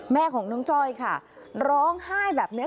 แม่ของน้องจ้อยค่ะร้องไห้แบบนี้